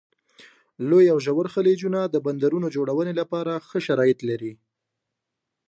لوی او ژور خلیجونه د بندرونو جوړونې لپاره ښه شرایط لري.